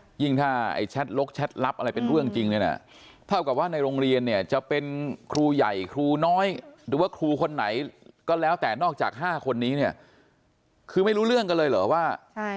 ยิ่งถ้าไอ้แชทลกแชทลับอะไรเป็นเรื่องจริงเนี่ยนะเท่ากับว่าในโรงเรียนเนี่ยจะเป็นครูใหญ่ครูน้อยหรือว่าครูคนไหนก็แล้วแต่นอกจาก๕คนนี้เนี่ยคือไม่รู้เรื่องกันเลยเหรอว่า